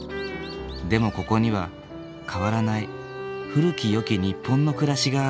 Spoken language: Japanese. でもここには変わらない古きよき日本の暮らしがある。